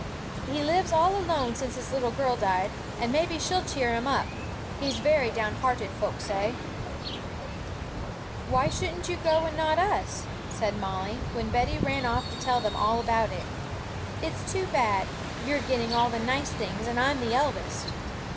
He lives all alone since his little girl died, and maybe she'll cheer him up; he's very downhearted, folks say.' 'Why should you go and not us?' said Molly, when Betty ran off to tell them all about it; 'it's too bad; you're getting all the nice things, and I'm the eldest.'